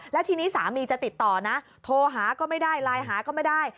แล้วทีนี้สามีจะติดต่อนะโทรหาก็ไม่ได้ไลน์หาก็ไม่ได้